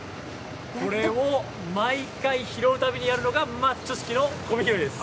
これを毎回、拾うたびにやるのがマッチョ式のごみ拾いです。